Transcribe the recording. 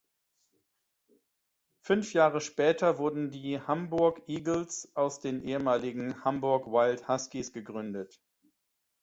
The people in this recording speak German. Fünf Jahre später wurden die Hamburg Eagles aus den ehemaligen Hamburg Wild Huskies gegründet.